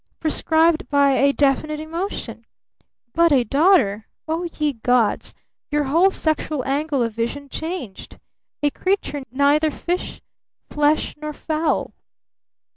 Prescribed by a definite emotion! But a daughter? Oh, ye gods! Your whole sexual angle of vision changed! A creature neither fish, flesh, nor fowl!